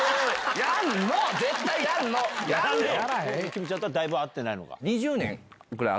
きみちゃんとはだいぶ会ってないのか？